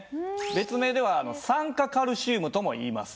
別名では酸化カルシウムともいいます。